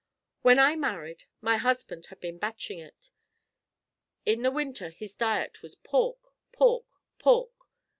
When I married, my husband had been batching it. In the winter his diet was pork! pork! pork!